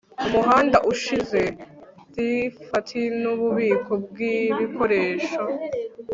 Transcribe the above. umuhanda ushize Thrifty nububiko bwibikoresho